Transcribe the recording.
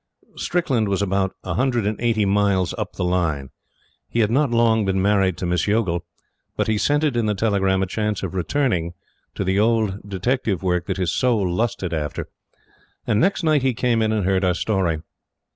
Strickland was about a hundred and eighty miles up the line. He had not long been married to Miss Youghal, but he scented in the telegram a chance of return to the old detective work that his soul lusted after, and next night he came in and heard our story.